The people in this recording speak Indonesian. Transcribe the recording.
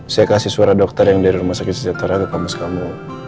saya kasih suara dokter yang dari rumah sakit sejahtera ke kamus kamu